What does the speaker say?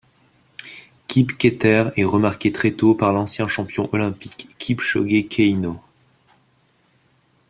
Kipketer est remarqué très tôt par l'ancien champion olympique Kipchoge Keino.